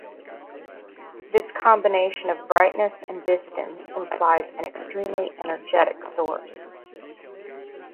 This combination of brightness and distance implies an extremely energetic source.